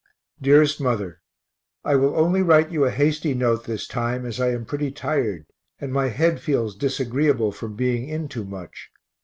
_ DEAREST MOTHER I will only write you a hasty note this time, as I am pretty tired, and my head feels disagreeable from being in too much.